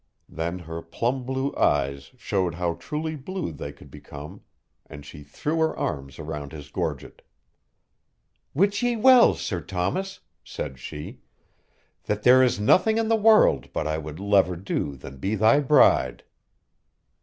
Then her plum blue eyes showed how truly blue they could become and she threw her arms around his gorget. "Wit ye well, Sir Thomas," said she, "that there is nothing in the world but I would lever do than be thy bride!"